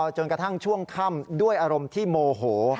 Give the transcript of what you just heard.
จนกระทั่งช่วงค่ำด้วยอารมณ์ที่โมโห